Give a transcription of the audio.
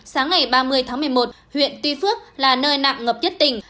sáng ngày ba mươi tháng một mươi một huyện tuy phước là nơi nặng ngập nhất tỉnh